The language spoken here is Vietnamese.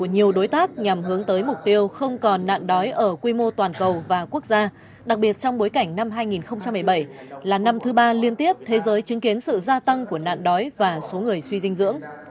nhiều đối tác nhằm hướng tới mục tiêu không còn nạn đói ở quy mô toàn cầu và quốc gia đặc biệt trong bối cảnh năm hai nghìn một mươi bảy là năm thứ ba liên tiếp thế giới chứng kiến sự gia tăng của nạn đói và số người suy dinh dưỡng